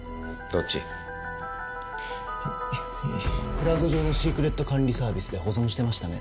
クラウド上のシークレット管理サービスで保存してましたね？